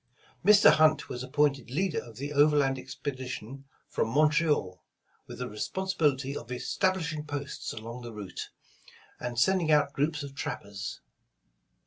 Mr. Hunt was appointed leader of the overland expedi tion from Montreal, with the responsibility of establish ing posts along the route, and sending out groups of trappers.